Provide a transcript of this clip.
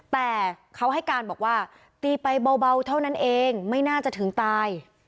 แต่เขาให้การบอกว่าตีไปเบาเท่านั้นเองไม่น่าจะถึงตาย